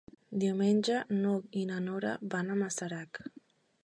Diumenge n'Hug i na Nora van a Masarac.